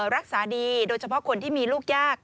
รักษาดีโดยเฉพาะคนที่มีลูกยาก